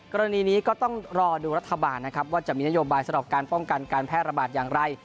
กรณีนี้ก็ต้องรอดูรัฐบาลนะครับว่าจะมีนโยบายสำหรับการป้องกันการแพร่ระบาดอย่างไร